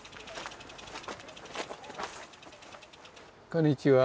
こんにちは。